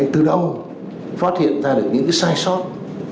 từ đâu phát hiện ra được những sai sót